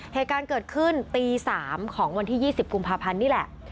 เหตุการณ์เกิดขึ้นตี๓ของวันที่๒๐กุมภาพันธ์นี่แหละ